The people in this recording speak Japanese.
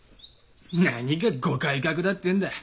何がご改革だっていうんだ。